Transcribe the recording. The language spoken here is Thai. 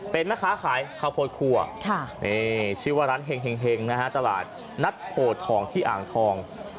เป็นแม่ค้าขายข้าวโพดคั่วชื่อว่าร้านเห็งนะฮะตลาดนัดโพทองที่อ่างทอง